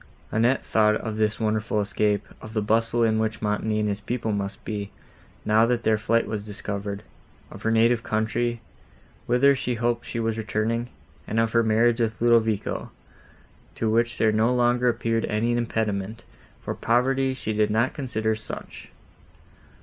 Annette thought of this wonderful escape, of the bustle in which Montoni and his people must be, now that their flight was discovered; of her native country, whither she hoped she was returning, and of her marriage with Ludovico, to which there no longer appeared any impediment, for poverty she did not consider such.